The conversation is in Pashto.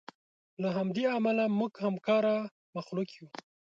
له همدې امله موږ همکاره مخلوق یو.